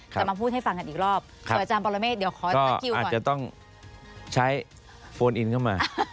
จะมาพูดให้ฟังกันอีกรอบขออาจารย์ปรเมฆเดี๋ยวขอสกิลก่อนจะต้องใช้โฟนอินเข้ามา